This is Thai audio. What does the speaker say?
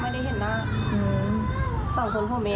แต่เขาก็ปฏิเสธ